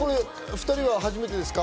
２人は初めてですか？